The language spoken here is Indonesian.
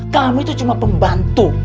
kamu itu cuma pembantu